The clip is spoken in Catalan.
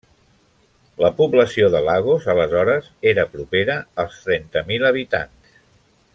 La població de Lagos aleshores era propera als trenta mil habitants.